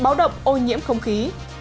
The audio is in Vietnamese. báo động ô nhiễm không khí